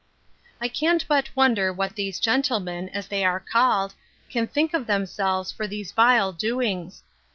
I can't but wonder what these gentlemen, as they are called, can think of themselves for these vile doings!